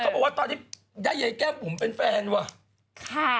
เขาบอกว่าตอนนี้ได้ใหญ่แก้มผมเป็นแฟนว่ะค่ะ